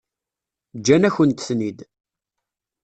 Ǧǧan-akent-ten-id.